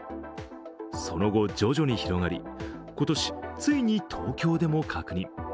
その後、徐々に広がり、今年、ついに東京でも確認。